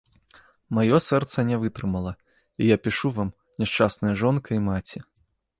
Маё сэрца не вытрымала, і я пішу вам, няшчасная жонка і маці.